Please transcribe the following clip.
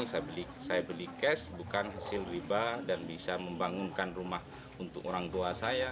saya beli cash bukan hasil riba dan bisa membangunkan rumah untuk orang tua saya